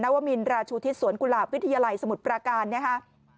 วมินราชูทิศสวนกุหลาบวิทยาลัยสมุทรปราการนะคะ